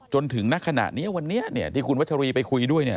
จนถึงณขณะนี้วันนี้เนี่ยที่คุณวัชรีไปคุยด้วยเนี่ย